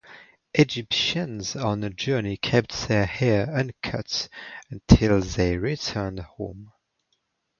Egyptians on a journey kept their hair uncut till they returned home.